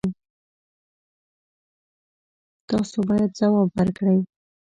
تاسو باید ځواب ورکړئ.